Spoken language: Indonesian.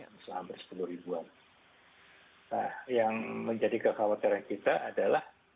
nah yang menjadi kekhawatiran kita adalah